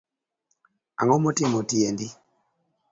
Angomotimo tiendi